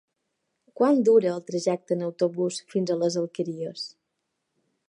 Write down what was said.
Quant dura el trajecte en autobús fins a les Alqueries?